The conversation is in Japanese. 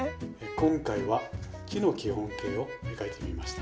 今回は木の基本形を描いてみました。